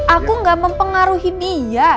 aku gak mempengaruhi dia